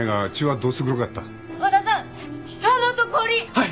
はい。